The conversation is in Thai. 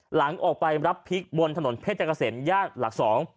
หลังออกไปรับพลิกบนถนนเพชรกระเสนย่างหลัก๒